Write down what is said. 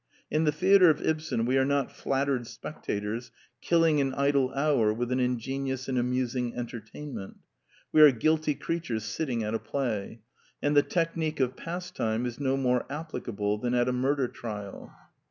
In the theatre of Ibsen we are not flat tered spectators killing an idle hour with an in genious and amusing entertainment: we are " guilty creatures sitting at a play "; and the technique of pastime is no more applicable than at a murder trial.